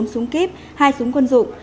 bốn súng kíp hai súng quân dụng